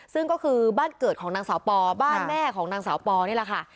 ซึ่งก็คือบ้านเกิดของนางสาวปอบ้านแม่ของนางสาวปอนี่แหละค่ะ